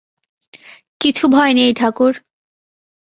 কিছু ভয় নেই ঠাকুর!